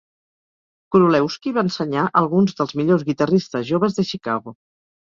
Curulewski va ensenyar alguns dels millors guitarristes joves de Chicago.